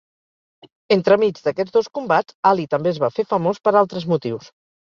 Entremig d'aquests dos combats, Ali també es va fer famós per altres motius.